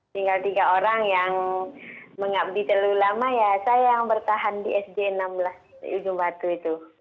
tinggal tiga orang yang mengabdi terlalu lama ya saya yang bertahan di sj enam belas ujung batu itu